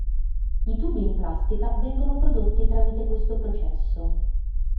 I tubi in plastica vengono prodotti tramite questo processo.